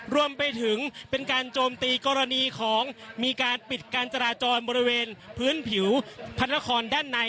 รวมไปถึงเป็นการโจมตีกรณีของมีการปิดการจราจรบริเวณพื้นผิวพระนครด้านใน